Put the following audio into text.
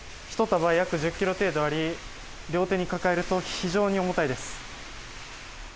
１束約１０キロ程度あり、両手に抱えると非常に重たいです。